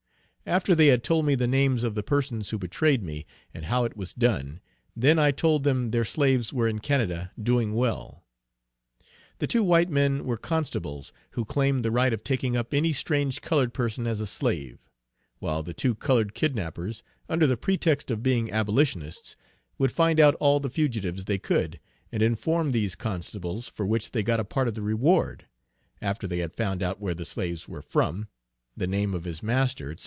After they had told me the names of the persons who betrayed me, and how it was done, then I told them their slaves were in Canada, doing well. The two white men were Constables, who claimed the right of taking up any strange colored person as a slave; while the two colored kidnappers, under the pretext of being abolitionists, would find out all the fugitives they could, and inform these Constables for which they got a part of the reward, after they had found out where the slaves were from, the name of his master, &c.